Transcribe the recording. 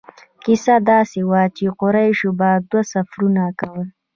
کیسه داسې وه چې قریشو به دوه سفرونه کول.